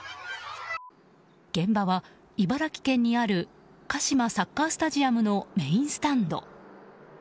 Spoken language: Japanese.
現場は茨城県にあるカシマサッカースタジアムのメインスタンド。